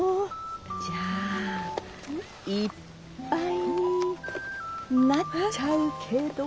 じゃあいっぱいになっちゃうけど。